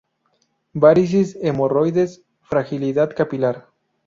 Varices, hemorroides, fragilidad capilar.